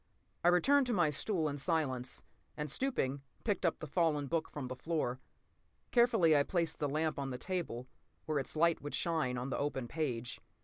I returned to my stool in silence, and stooping, picked up the fallen book from the floor. Carefully I placed the lamp on the table, where its light would shine on the open page.